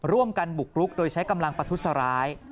ร่วมกันบุกรุกโดยใช้กำลังประทุษร้าย